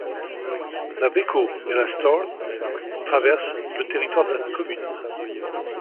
La Bekau et la Stör traversent le territoire de la commune.